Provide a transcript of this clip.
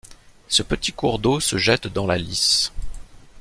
Ce petit cours d'eau se jette dans la Lys.